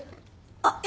あっいえ